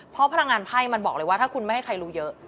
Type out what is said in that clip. เพราะพลังงานไพ่มันบอกเลยว่าถ้าคุณไม่ให้ใครรู้เยอะ